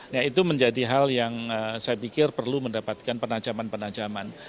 nah itu menjadi hal yang saya pikir perlu mendapatkan penajaman penajaman